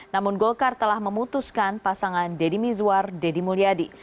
namun golkar telah memutuskan pasangan deddy mizwar deddy mulyadi